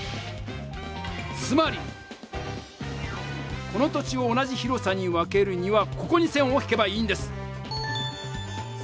つまりこの土地を同じ広さに分けるにはここに線を引けばいいんです。